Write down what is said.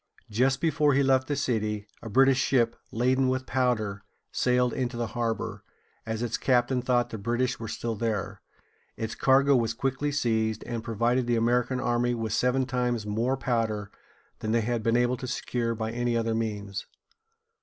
Just before he left the city, a British ship, laden with powder, sailed into the harbor, as its captain thought the British were still there. Its cargo was quickly seized, and provided the American army with seven times more powder than they had been able to secure by any other means.